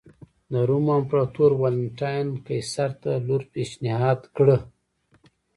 د روم امپراتور والنټیناین قیصر ته لور پېشنهاد کړه.